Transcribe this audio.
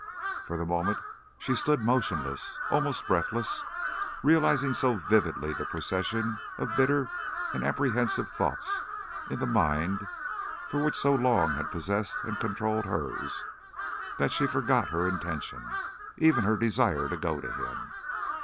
For the moment she stood motionless, almost breathless, realizing so vividly the procession of bitter and apprehensive thoughts in the mind which for so long had possessed and controlled hers that she forgot her intention, even her desire to go to him.